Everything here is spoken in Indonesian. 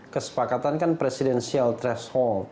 kesepakatan kan presidensial threshold